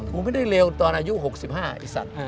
ผมไม่ได้เร็วตอนอายุ๖๕ไอ้สัตว์